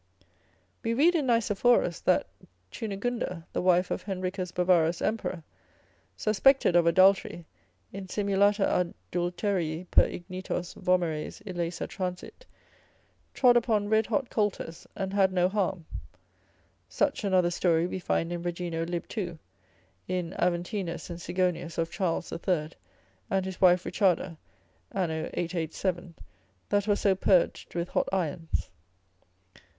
We read in Nicephorus, that Chunegunda the wife of Henricus Bavarus emperor, suspected of adultery, insimulata adulterii per ignitos vomeres illaesa transiit, trod upon red hot coulters, and had no harm: such another story we find in Regino lib. 2. In Aventinus and Sigonius of Charles the Third and his wife Richarda, an. 887, that was so purged with hot irons.